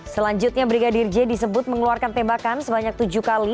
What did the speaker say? selanjutnya brigadir j disebut mengeluarkan tembakan sebanyak tujuh kali